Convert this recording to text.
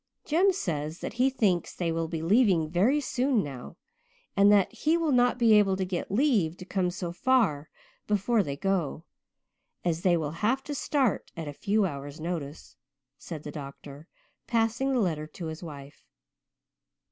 '" "Jem says that he thinks they will be leaving very soon now, and that he will not be able to get leave to come so far before they go, as they will have to start at a few hours' notice," said the doctor, passing the letter to his wife.